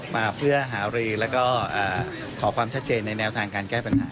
มาเพื่อหารือแล้วก็ขอความชัดเจนในแนวทางการแก้ปัญหา